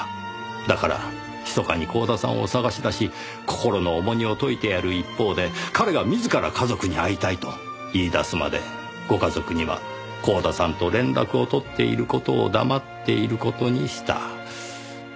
だから密かに光田さんを捜し出し心の重荷を解いてやる一方で彼が自ら家族に会いたいと言い出すまでご家族には光田さんと連絡を取っている事を黙っている事にした。